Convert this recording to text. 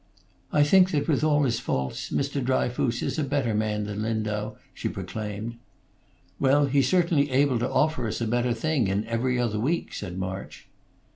"I think that with all his faults Mr. Dryfoos is a better man than Lindau," she proclaimed. "Well, he's certainly able to offer us a better thing in 'Every Other Week,'" said March.